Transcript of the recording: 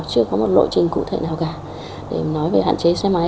chưa có một lộ trình cụ thể nào cả để nói về hạn chế xe máy